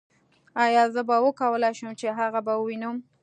ایا زه به وکولای شم چې هغه بیا ووینم